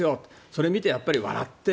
それを見て、やっぱり笑って。